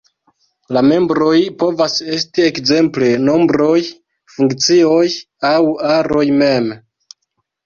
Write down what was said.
La membroj povas esti ekzemple nombroj, funkcioj, aŭ aroj mem.